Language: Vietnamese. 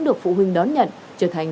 được phụ huynh đón nhận trở thành